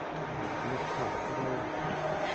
Lufah ka ngei.